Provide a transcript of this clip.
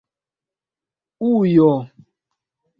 ujo